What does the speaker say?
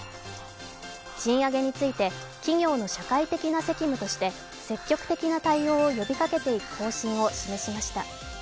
賃上げについて、企業の社会的な責務として積極的な対応を呼びかけていく方針を示しました。